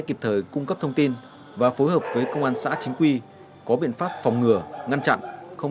kịp thời cung cấp thông tin và phối hợp với công an xã chính quy có biện pháp phòng ngừa ngăn chặn không